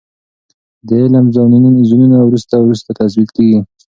د علم زونونه وروسته وروسته تثبیت کیږي.